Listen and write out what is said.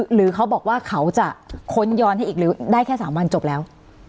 หรือเขาบอกว่าเขาจะค้นย้อนให้อีกหรือได้แค่๓วันจบแล้ว